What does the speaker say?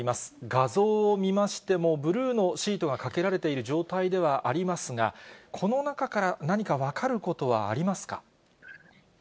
画像を見ましても、ブルーのシートがかけられている状態ではありますが、この中から何か分かることはありますか。